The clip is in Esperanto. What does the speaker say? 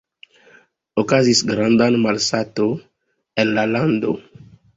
Okazis granda malsato en la lando.